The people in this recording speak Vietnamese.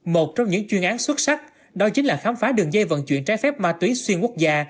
một trong những chuyên án xuất sắc đó chính là khám phá đường dây vận chuyển trái phép ma túy xuyên quốc gia